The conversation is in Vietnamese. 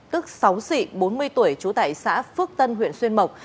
tức sáu sị bốn mươi tuổi trú tại xã phước tân huyện xuyên mộc